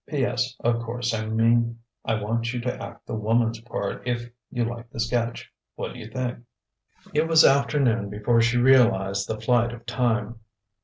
"P.S. of course I mean I want you to act the Womans part if you like the Sketch, what do you think!" It was afternoon before she realized the flight of time.